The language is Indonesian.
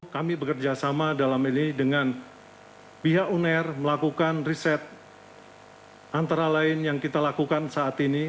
kami bekerjasama dalam ini dengan pihak uner melakukan riset antara lain yang kita lakukan saat ini